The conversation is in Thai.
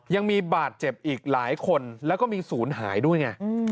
ยังมีบาดเจ็บอีกหลายคนแล้วก็มีศูนย์หายด้วยไง